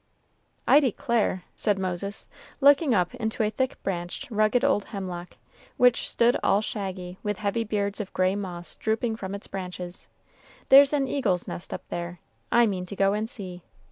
"I declare," said Moses, looking up into a thick branched, rugged old hemlock, which stood all shaggy, with heavy beards of gray moss drooping from its branches, "there's an eagle's nest up there; I mean to go and see."